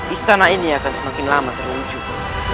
istana ini akan semakin lama terwujud